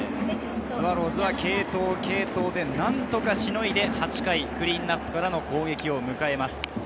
スワローズは継投、継投で何とかしのいで８回、クリーンナップからの攻撃です。